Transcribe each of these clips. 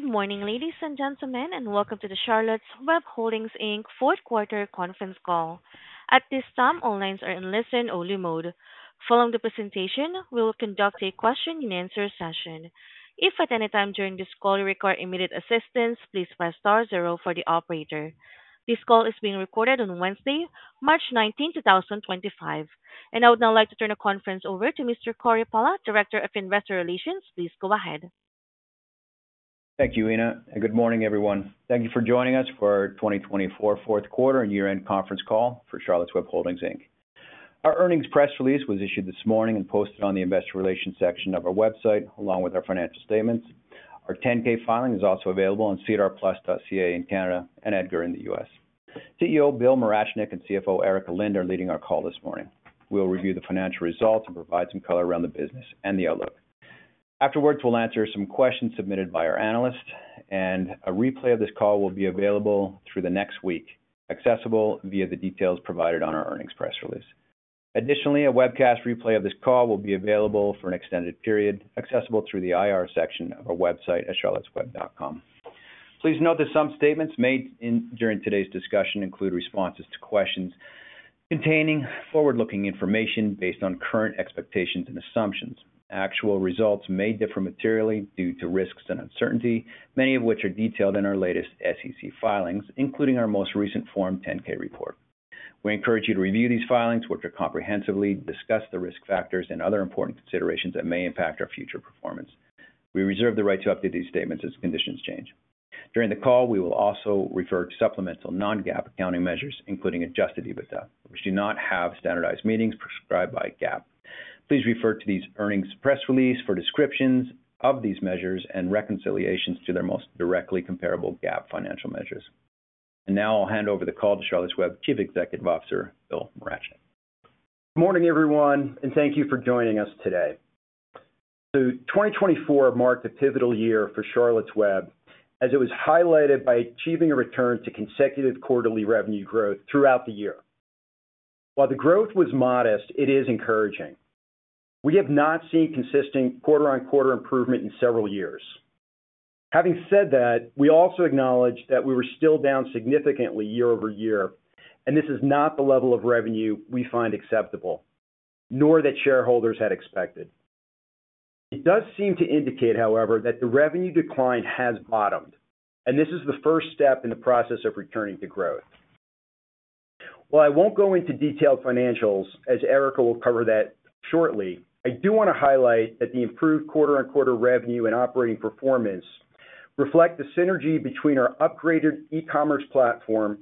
Good morning, ladies and gentlemen, and welcome to the Charlotte's Web Holdings Inc. fourth quarter conference call. At this time, all lines are in listen-only mode. Following the presentation, we will conduct a question-and-answer session. If at any time during this call you require immediate assistance, please press star zero for the operator. This call is being recorded on Wednesday, March 19, 2025. I would now like to turn the conference over to Mr. Cory Pala, Director of Investor Relations. Please go ahead. Thank you, Ina. Good morning, everyone. Thank you for joining us for our 2024 fourth quarter and year-end conference call for Charlotte's Web Holdings Inc. Our earnings press release was issued this morning and posted on the Investor Relations section of our website, along with our financial statements. Our 10-K filing is also available on sedarplus.ca in Canada and EDGAR in the U.S. CEO Bill Morachnick and CFO Erika Lind are leading our call this morning. We'll review the financial results and provide some color around the business and the outlook. Afterwards, we'll answer some questions submitted by our analysts, and a replay of this call will be available through the next week, accessible via the details provided on our earnings press release. Additionally, a webcast replay of this call will be available for an extended period, accessible through the IR section of our website at charlottesweb.com. Please note that some statements made during today's discussion include responses to questions containing forward-looking information based on current expectations and assumptions. Actual results may differ materially due to risks and uncertainty, many of which are detailed in our latest SEC filings, including our most recent Form 10-K report. We encourage you to review these filings, which more comprehensively, discuss the risk factors and other important considerations that may impact our future performance. We reserve the right to update these statements as conditions change. During the call, we will also refer to supplemental non-GAAP accounting measures, including adjusted EBITDA, which do not have standardized meanings prescribed by GAAP. Please refer to these earnings press releases for descriptions of these measures and reconciliations to their most directly comparable GAAP financial measures. Now I'll hand over the call to Charlotte's Web Chief Executive Officer, Bill Morachnick. Good morning, everyone, and thank you for joining us today. 2024 marked a pivotal year for Charlotte's Web, as it was highlighted by achieving a return to consecutive quarterly revenue growth throughout the year. While the growth was modest, it is encouraging. We have not seen consistent quarter-on-quarter improvement in several years. Having said that, we also acknowledge that we were still down significantly year-over-year, and this is not the level of revenue we find acceptable, nor that shareholders had expected. It does seem to indicate, however, that the revenue decline has bottomed, and this is the first step in the process of returning to growth. While I won't go into detailed financials, as Erika will cover that shortly, I do want to highlight that the improved quarter-on-quarter revenue and operating performance reflect the synergy between our upgraded e-commerce platform,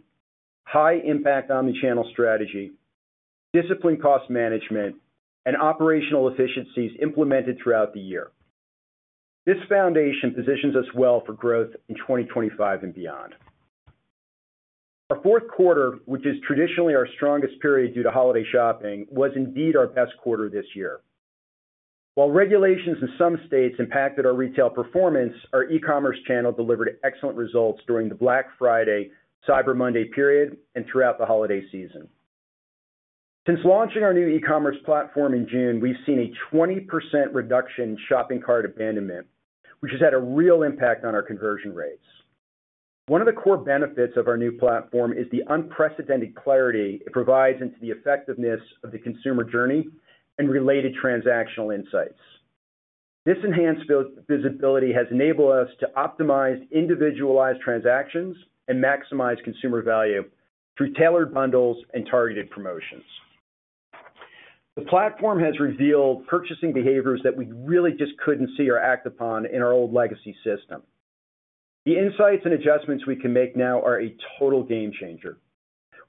high-impact omnichannel strategy, disciplined cost management, and operational efficiencies implemented throughout the year. This foundation positions us well for growth in 2025 and beyond. Our fourth quarter, which is traditionally our strongest period due to holiday shopping, was indeed our best quarter this year. While regulations in some states impacted our retail performance, our e-commerce channel delivered excellent results during the Black Friday, Cyber Monday period, and throughout the holiday season. Since launching our new e-commerce platform in June, we've seen a 20% reduction in shopping cart abandonment, which has had a real impact on our conversion rates. One of the core benefits of our new platform is the unprecedented clarity it provides into the effectiveness of the consumer journey and related transactional insights. This enhanced visibility has enabled us to optimize individualized transactions and maximize consumer value through tailored bundles and targeted promotions. The platform has revealed purchasing behaviors that we really just could not see or act upon in our old legacy system. The insights and adjustments we can make now are a total game changer.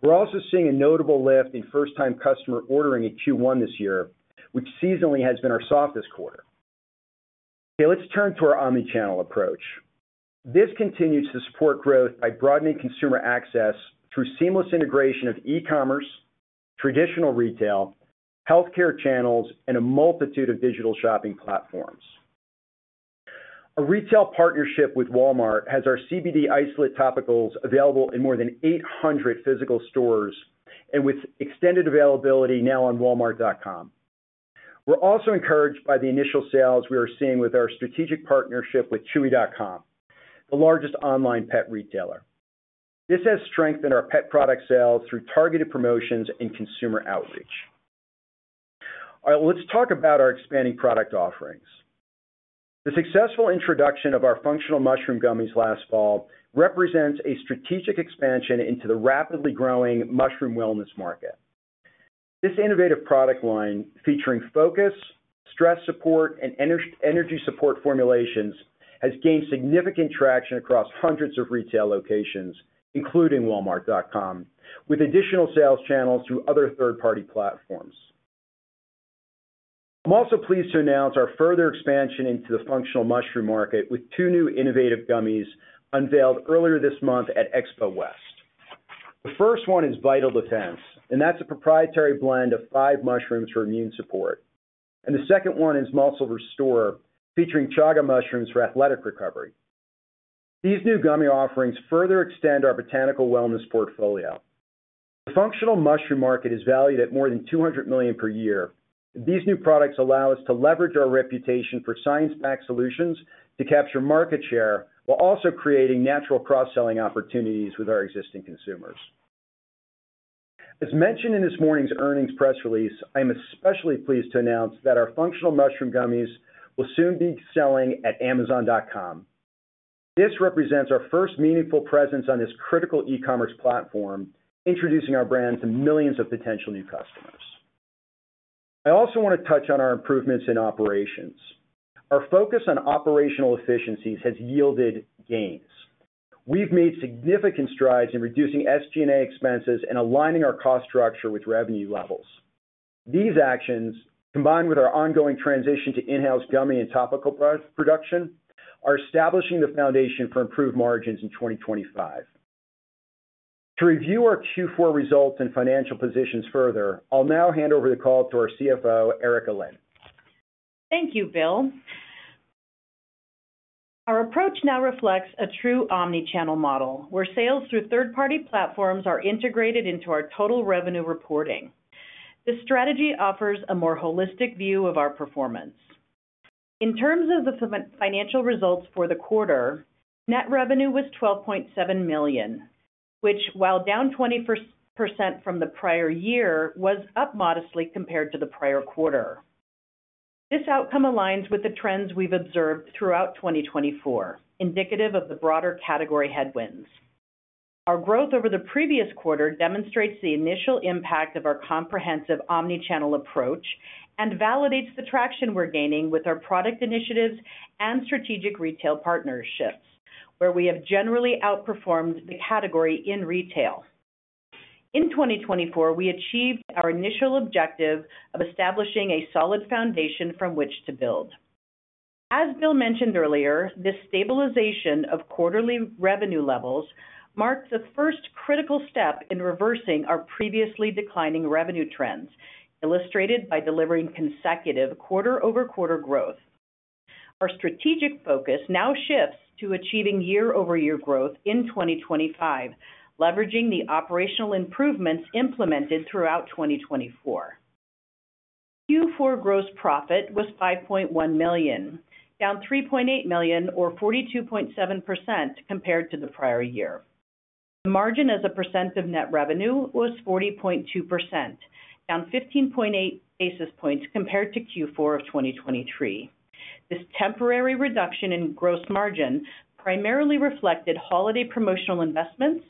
We are also seeing a notable lift in first-time customer ordering in Q1 this year, which seasonally has been our softest quarter. Okay, let's turn to our omnichannel approach. This continues to support growth by broadening consumer access through seamless integration of e-commerce, traditional retail, healthcare channels, and a multitude of digital shopping platforms. Our retail partnership with Walmart has our CBD isolate topicals available in more than 800 physical stores and with extended availability now on Walmart.com. We're also encouraged by the initial sales we are seeing with our strategic partnership with Chewy.com, the largest online pet retailer. This has strengthened our pet product sales through targeted promotions and consumer outreach. All right, let's talk about our expanding product offerings. The successful introduction of our functional mushroom gummies last fall represents a strategic expansion into the rapidly growing mushroom wellness market. This innovative product line, featuring focus, stress support, and energy support formulations, has gained significant traction across hundreds of retail locations, including Walmart.com, with additional sales channels through other third-party platforms. I'm also pleased to announce our further expansion into the functional mushroom market with two new innovative gummies unveiled earlier this month at Expo West. The first one is Vital Defense, and that's a proprietary blend of five mushrooms for immune support. The second one is Muscle Restore, featuring chaga mushrooms for athletic recovery. These new gummy offerings further extend our botanical wellness portfolio. The functional mushroom market is valued at more than $200 million per year. These new products allow us to leverage our reputation for science-backed solutions to capture market share while also creating natural cross-selling opportunities with our existing consumers. As mentioned in this morning's earnings press release, I am especially pleased to announce that our functional mushroom gummies will soon be selling at Amazon.com. This represents our first meaningful presence on this critical e-commerce platform, introducing our brand to millions of potential new customers. I also want to touch on our improvements in operations. Our focus on operational efficiencies has yielded gains. We've made significant strides in reducing SG&A expenses and aligning our cost structure with revenue levels. These actions, combined with our ongoing transition to in-house gummy and topical production, are establishing the foundation for improved margins in 2025. To review our Q4 results and financial positions further, I'll now hand over the call to our CFO, Erika Lind. Thank you, Bill. Our approach now reflects a true omnichannel model, where sales through third-party platforms are integrated into our total revenue reporting. This strategy offers a more holistic view of our performance. In terms of the financial results for the quarter, net revenue was $12.7 million, which, while down 20% from the prior year, was up modestly compared to the prior quarter. This outcome aligns with the trends we've observed throughout 2024, indicative of the broader category headwinds. Our growth over the previous quarter demonstrates the initial impact of our comprehensive omnichannel approach and validates the traction we're gaining with our product initiatives and strategic retail partnerships, where we have generally outperformed the category in retail. In 2024, we achieved our initial objective of establishing a solid foundation from which to build. As Bill mentioned earlier, this stabilization of quarterly revenue levels marked the first critical step in reversing our previously declining revenue trends, illustrated by delivering consecutive quarter-over-quarter growth. Our strategic focus now shifts to achieving year-over-year growth in 2025, leveraging the operational improvements implemented throughout 2024. Q4 gross profit was $5.1 million, down $3.8 million, or 42.7% compared to the prior year. The margin as a percent of net revenue was 40.2%, down 15.8 basis points compared to Q4 of 2023. This temporary reduction in gross margin primarily reflected holiday promotional investments,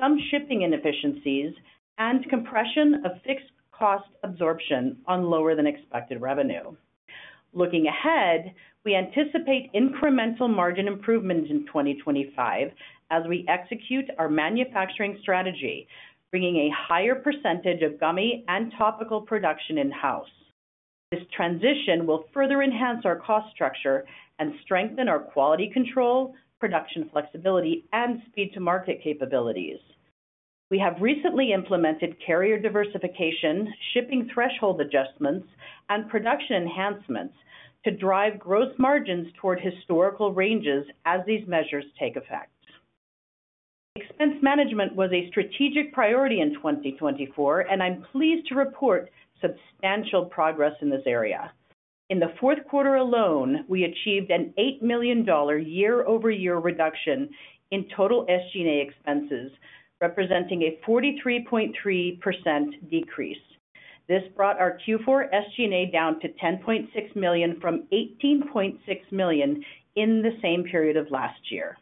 some shipping inefficiencies, and compression of fixed cost absorption on lower-than-expected revenue. Looking ahead, we anticipate incremental margin improvements in 2025 as we execute our manufacturing strategy, bringing a higher percentage of gummy and topical production in-house. This transition will further enhance our cost structure and strengthen our quality control, production flexibility, and speed-to-market capabilities. We have recently implemented carrier diversification, shipping threshold adjustments, and production enhancements to drive gross margins toward historical ranges as these measures take effect. Expense management was a strategic priority in 2024, and I'm pleased to report substantial progress in this area. In the fourth quarter alone, we achieved an $8 million year-over-year reduction in total SG&A expenses, representing a 43.3% decrease. This brought our Q4 SG&A down to $10.6 million from $18.6 million in the same period of last year.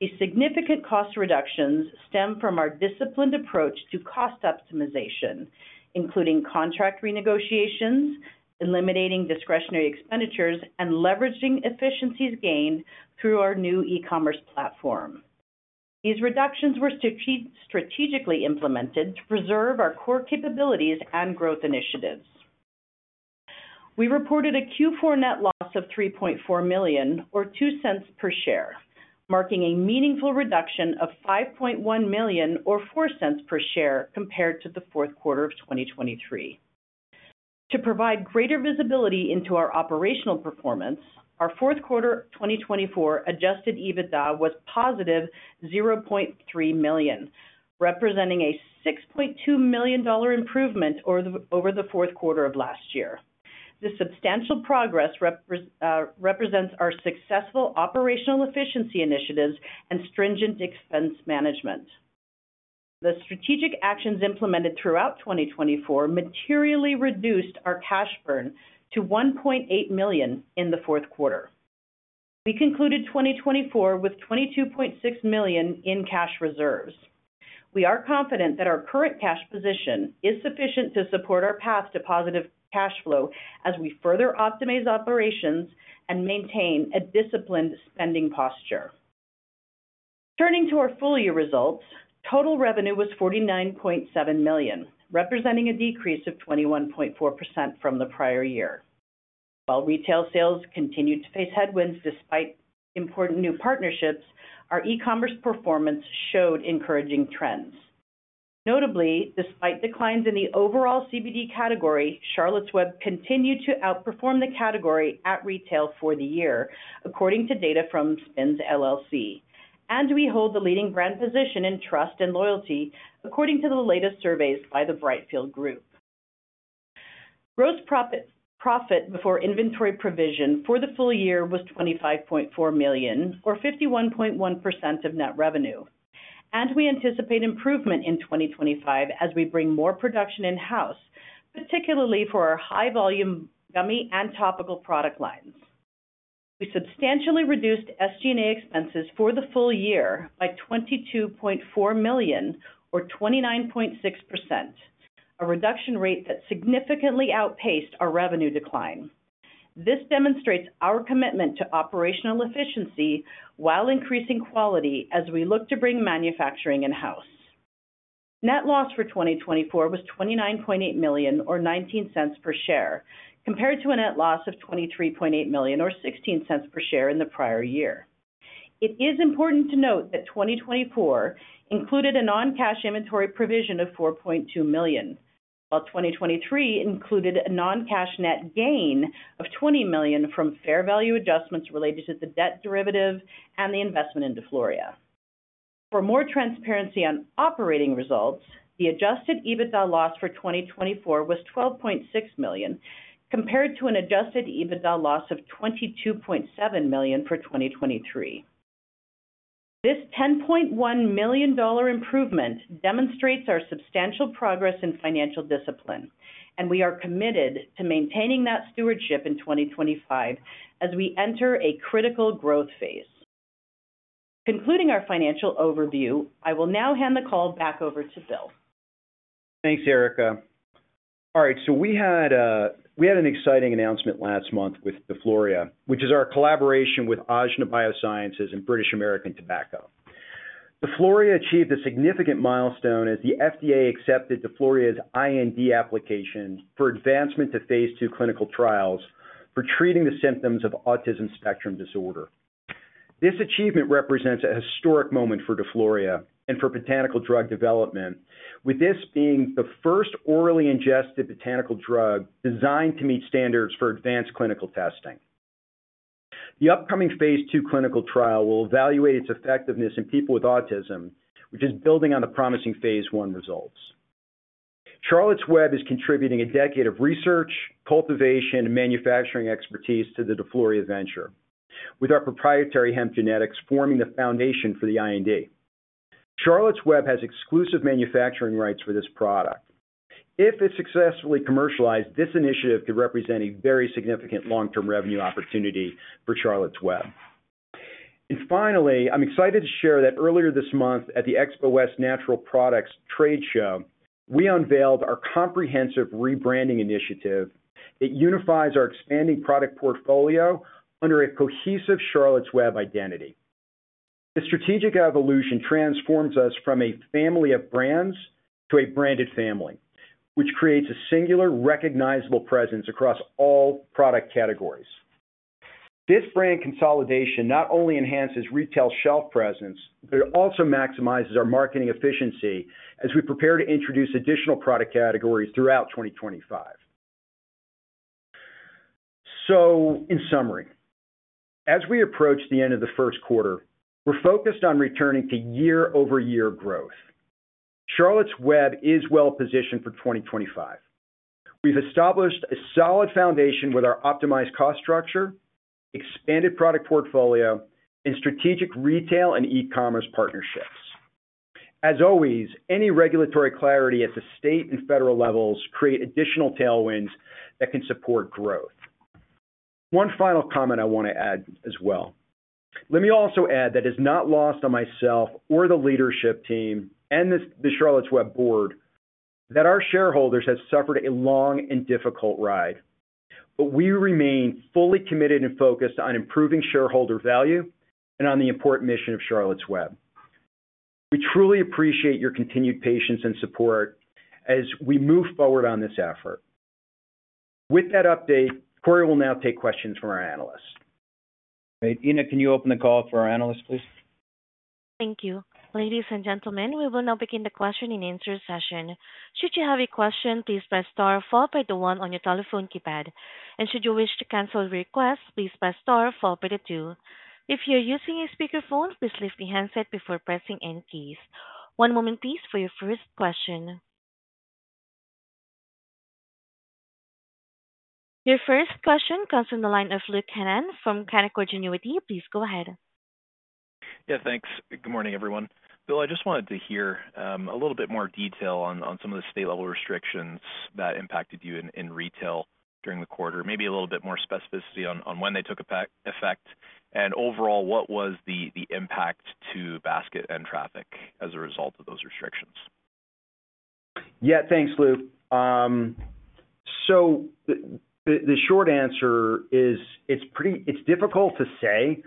These significant cost reductions stem from our disciplined approach to cost optimization, including contract renegotiations, eliminating discretionary expenditures, and leveraging efficiencies gained through our new e-commerce platform. These reductions were strategically implemented to preserve our core capabilities and growth initiatives. We reported a Q4 net loss of $3.4 million, or $0.02 per share, marking a meaningful reduction of $5.1 million, or $0.04 per share compared to the fourth quarter of 2023. To provide greater visibility into our operational performance, our fourth quarter 2024 adjusted EBITDA was positive $0.3 million, representing a $6.2 million improvement over the fourth quarter of last year. This substantial progress represents our successful operational efficiency initiatives and stringent expense management. The strategic actions implemented throughout 2024 materially reduced our cash burn to $1.8 million in the fourth quarter. We concluded 2024 with $22.6 million in cash reserves. We are confident that our current cash position is sufficient to support our path to positive cash flow as we further optimize operations and maintain a disciplined spending posture. Turning to our full-year results, total revenue was $49.7 million, representing a decrease of 21.4% from the prior year. While retail sales continued to face headwinds despite important new partnerships, our e-commerce performance showed encouraging trends. Notably, despite declines in the overall CBD category, Charlotte's Web continued to outperform the category at retail for the year, according to data from SPINS, LLC, and we hold the leading brand position in trust and loyalty, according to the latest surveys by the Brightfield Group. Gross profit before inventory provision for the full year was $25.4 million, or 51.1% of net revenue, and we anticipate improvement in 2025 as we bring more production in-house, particularly for our high-volume gummy and topical product lines. We substantially reduced SG&A expenses for the full year by $22.4 million, or 29.6%, a reduction rate that significantly outpaced our revenue decline. This demonstrates our commitment to operational efficiency while increasing quality as we look to bring manufacturing in-house. Net loss for 2024 was $29.8 million, or $0.19 per share, compared to a net loss of $23.8 million, or $0.16 per share in the prior year. It is important to note that 2024 included a non-cash inventory provision of $4.2 million, while 2023 included a non-cash net gain of $20 million from fair value adjustments related to the debt derivative and the investment in DeFloria. For more transparency on operating results, the adjusted EBITDA loss for 2024 was $12.6 million, compared to an adjusted EBITDA loss of $22.7 million for 2023. This $10.1 million improvement demonstrates our substantial progress in financial discipline, and we are committed to maintaining that stewardship in 2025 as we enter a critical growth phase. Concluding our financial overview, I will now hand the call back over to Bill. Thanks, Erika. All right, we had an exciting announcement last month with DeFloria, which is our collaboration with AJNA BioSciences and British American Tobacco. DeFloria achieved a significant milestone as the FDA accepted DeFloria's IND application for advancement to phase two clinical trials for treating the symptoms of autism spectrum disorder. This achievement represents a historic moment for DeFloria and for botanical drug development, with this being the first orally ingested botanical drug designed to meet standards for advanced clinical testing. The upcoming phase two clinical trial will evaluate its effectiveness in people with autism, which is building on the promising phase one results. Charlotte's Web is contributing a decade of research, cultivation, and manufacturing expertise to the DeFloria venture, with our proprietary hemp genetics forming the foundation for the IND. Charlotte's Web has exclusive manufacturing rights for this product. If it's successfully commercialized, this initiative could represent a very significant long-term revenue opportunity for Charlotte's Web. Finally, I'm excited to share that earlier this month at the Expo West Natural Products Trade Show, we unveiled our comprehensive rebranding initiative that unifies our expanding product portfolio under a cohesive Charlotte's Web identity. The strategic evolution transforms us from a family of brands to a branded family, which creates a singular, recognizable presence across all product categories. This brand consolidation not only enhances retail shelf presence, but it also maximizes our marketing efficiency as we prepare to introduce additional product categories throughout 2025. In summary, as we approach the end of the first quarter, we're focused on returning to year-over-year growth. Charlotte's Web is well-positioned for 2025. We've established a solid foundation with our optimized cost structure, expanded product portfolio, and strategic retail and e-commerce partnerships. As always, any regulatory clarity at the state and federal levels creates additional tailwinds that can support growth. One final comment I want to add as well. Let me also add that it's not lost on myself or the leadership team and the Charlotte's Web board that our shareholders have suffered a long and difficult ride, but we remain fully committed and focused on improving shareholder value and on the important mission of Charlotte's Web. We truly appreciate your continued patience and support as we move forward on this effort. With that update, Cory will now take questions from our analysts. Ina, can you open the call for our analysts, please? Thank you. Ladies and gentlemen, we will now begin the question-and-answer session. Should you have a question, please press star, followed by the one on your telephone keypad. Should you wish to cancel the request, please press star, followed by the two. If you are using a speakerphone, please lift the handset before pressing any keys. One moment, please, for your first question. Your first question comes from the line of Luke Hannan from Canaccord Genuity. Please go ahead. Yeah, thanks. Good morning, everyone. Bill, I just wanted to hear a little bit more detail on some of the state-level restrictions that impacted you in retail during the quarter, maybe a little bit more specificity on when they took effect, and overall, what was the impact to basket and traffic as a result of those restrictions. Yeah, thanks, Luke. The short answer is it's difficult to say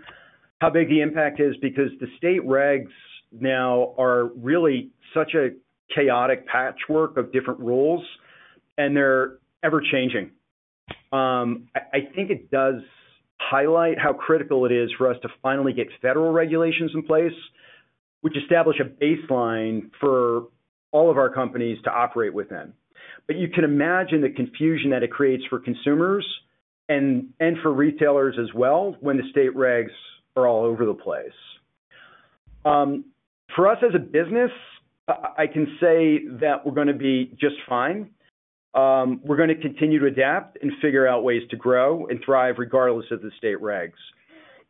how big the impact is because the state regs now are really such a chaotic patchwork of different rules, and they're ever-changing. I think it does highlight how critical it is for us to finally get federal regulations in place, which establish a baseline for all of our companies to operate within. You can imagine the confusion that it creates for consumers and for retailers as well when the state regs are all over the place. For us as a business, I can say that we're going to be just fine. We're going to continue to adapt and figure out ways to grow and thrive regardless of the state regs.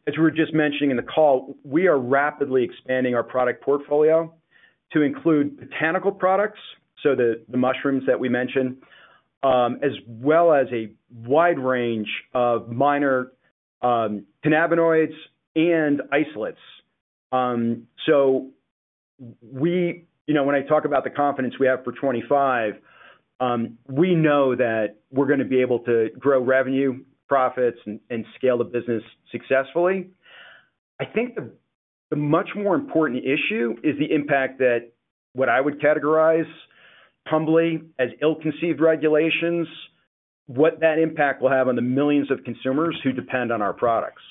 As we were just mentioning in the call, we are rapidly expanding our product portfolio to include botanical products, so the mushrooms that we mentioned, as well as a wide range of minor cannabinoids and isolates. When I talk about the confidence we have for 2025, we know that we're going to be able to grow revenue, profits, and scale the business successfully. I think the much more important issue is the impact that what I would categorize humbly as ill-conceived regulations, what that impact will have on the millions of consumers who depend on our products.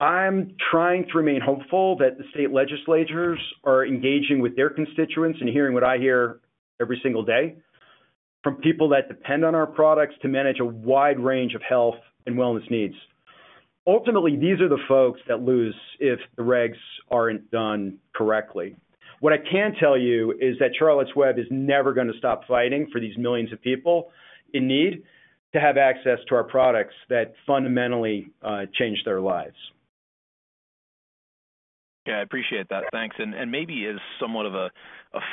I'm trying to remain hopeful that the state legislators are engaging with their constituents and hearing what I hear every single day from people that depend on our products to manage a wide range of health and wellness needs. Ultimately, these are the folks that lose if the regs aren't done correctly. What I can tell you is that Charlotte's Web is never going to stop fighting for these millions of people in need to have access to our products that fundamentally change their lives. Yeah, I appreciate that. Thanks. Maybe as somewhat of a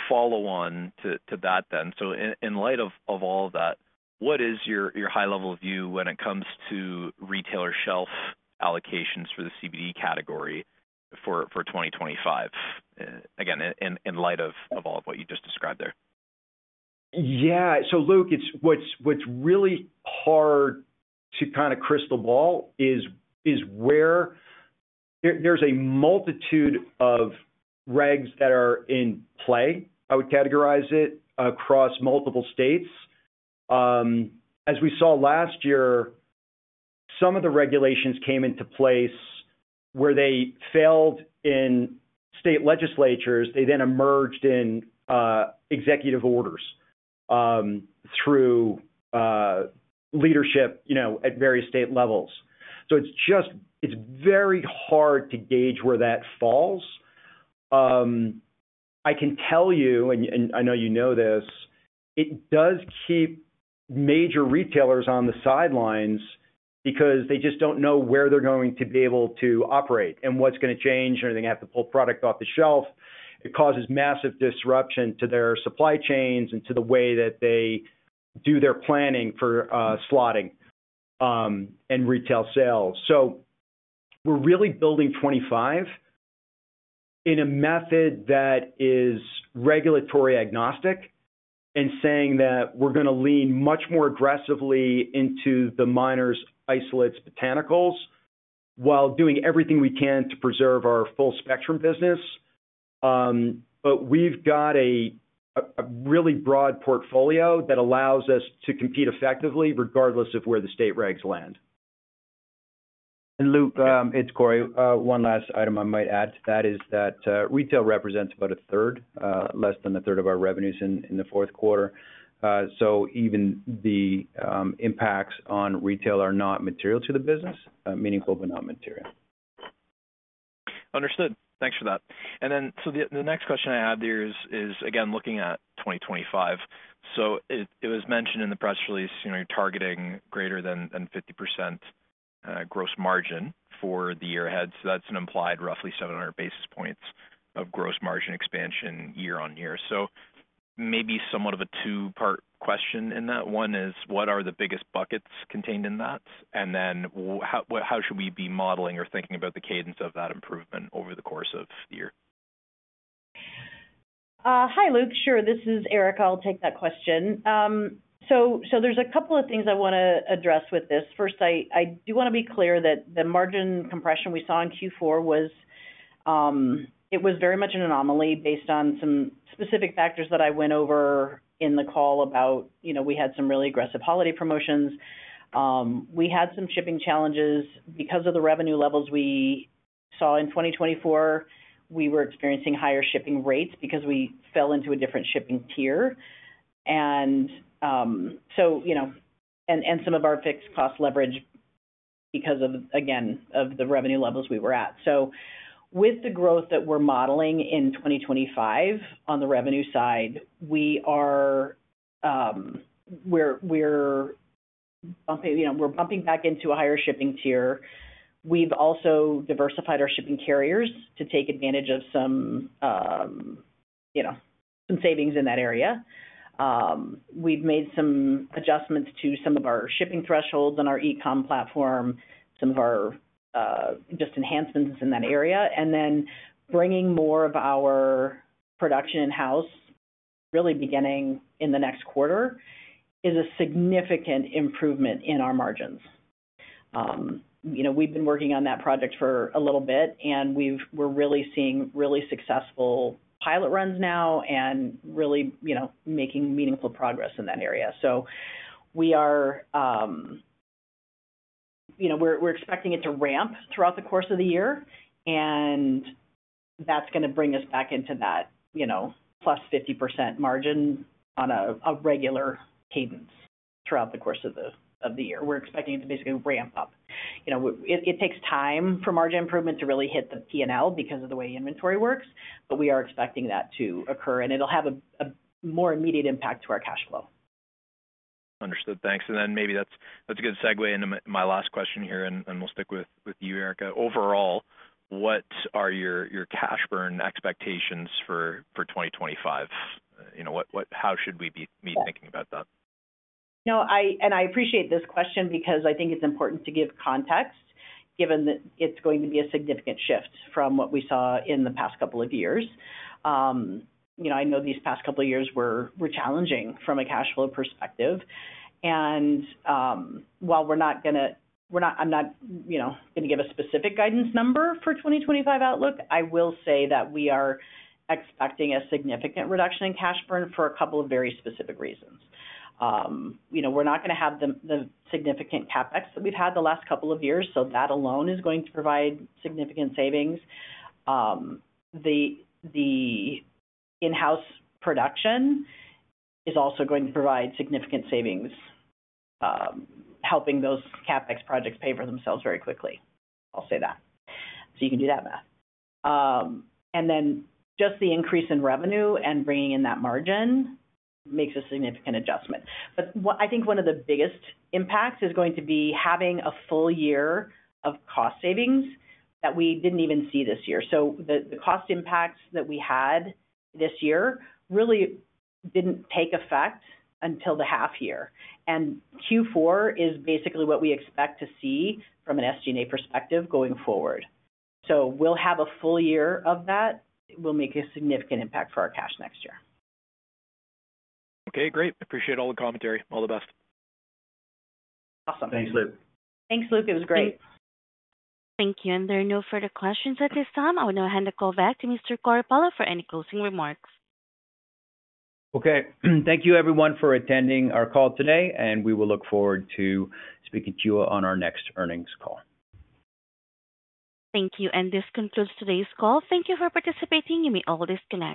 follow-on to that then, in light of all of that, what is your high-level view when it comes to retailer shelf allocations for the CBD category for 2025, again, in light of all of what you just described there? Yeah. Luke, what's really hard to kind of crystal ball is where there's a multitude of regs that are in play, I would categorize it, across multiple states. As we saw last year, some of the regulations came into place where they failed in state legislators. They then emerged in executive orders through leadership at various state levels. It's very hard to gauge where that falls. I can tell you, and I know you know this, it does keep major retailers on the sidelines because they just don't know where they're going to be able to operate and what's going to change. They're going to have to pull product off the shelf. It causes massive disruption to their supply chains and to the way that they do their planning for slotting and retail sales. We're really building 2025 in a method that is regulatory agnostic and saying that we're going to lean much more aggressively into the minors, isolates, botanicals while doing everything we can to preserve our full-spectrum business. We have a really broad portfolio that allows us to compete effectively regardless of where the state regs land. Luke, it's Cory. One last item I might add to that is that retail represents about a third, less than a third of our revenues in the fourth quarter. Even the impacts on retail are not material to the business, meaningful but not material. Understood. Thanks for that. The next question I have there is, again, looking at 2025. It was mentioned in the press release, you're targeting greater than 50% gross margin for the year ahead. That's an implied roughly 700 basis points of gross margin expansion year on year. Maybe somewhat of a two-part question in that. One is, what are the biggest buckets contained in that? How should we be modeling or thinking about the cadence of that improvement over the course of the year? Hi, Luke. Sure. This is Erika. I'll take that question. There's a couple of things I want to address with this. First, I do want to be clear that the margin compression we saw in Q4, it was very much an anomaly based on some specific factors that I went over in the call about we had some really aggressive holiday promotions. We had some shipping challenges. Because of the revenue levels we saw in 2024, we were experiencing higher shipping rates because we fell into a different shipping tier. Some of our fixed cost leverage because of, again, the revenue levels we were at. With the growth that we're modeling in 2025 on the revenue side, we're bumping back into a higher shipping tier. We've also diversified our shipping carriers to take advantage of some savings in that area. We've made some adjustments to some of our shipping thresholds on our e-com platform, some of our just enhancements in that area. Bringing more of our production in-house, really beginning in the next quarter, is a significant improvement in our margins. We've been working on that project for a little bit, and we're really seeing really successful pilot runs now and really making meaningful progress in that area. We are expecting it to ramp throughout the course of the year, and that's going to bring us back into that plus 50% margin on a regular cadence throughout the course of the year. We are expecting it to basically ramp up. It takes time for margin improvement to really hit the P&L because of the way inventory works, but we are expecting that to occur, and it'll have a more immediate impact to our cash flow. Understood. Thanks. Maybe that's a good segue into my last question here, and we'll stick with you, Erika. Overall, what are your cash burn expectations for 2025? How should we be thinking about that? I appreciate this question because I think it's important to give context given that it's going to be a significant shift from what we saw in the past couple of years. I know these past couple of years were challenging from a cash flow perspective. While we're not going to—I'm not going to give a specific guidance number for 2025 outlook, I will say that we are expecting a significant reduction in cash burn for a couple of very specific reasons. We're not going to have the significant CapEx that we've had the last couple of years, so that alone is going to provide significant savings. The in-house production is also going to provide significant savings, helping those CapEx projects pay for themselves very quickly. I'll say that. You can do that math. The increase in revenue and bringing in that margin makes a significant adjustment. I think one of the biggest impacts is going to be having a full year of cost savings that we did not even see this year. The cost impacts that we had this year really did not take effect until the half year. Q4 is basically what we expect to see from an SG&A perspective going forward. We will have a full year of that. It will make a significant impact for our cash next year. Okay. Great. Appreciate all the commentary. All the best. Awesome. Thanks, Luke. Thanks, Luke. It was great. Thank you. There are no further questions at this time. I will now hand the call back to Mr. Cory Pala for any closing remarks. Okay. Thank you, everyone, for attending our call today, and we will look forward to speaking to you on our next earnings call. Thank you. This concludes today's call. Thank you for participating. You may always connect.